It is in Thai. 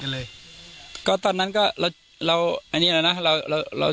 อื้อมตอนนั้นคือหนึ่งไปจีบตางที่หล่ะ